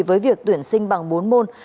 với việc tuyển sinh bằng bốn môn